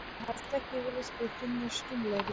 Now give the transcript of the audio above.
د سوډیم په هسته کې یوولس پروتونونه شتون لري.